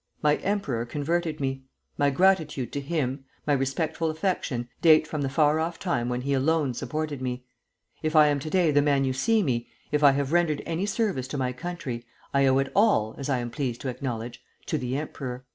My emperor converted me. My gratitude to him, my respectful affection, date from the far off time when he alone supported me. If I am to day the man you see me, if I have rendered any service to my country, I owe it all, as I am pleased to acknowledge, to the emperor."